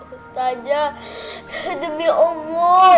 ustazah demi allah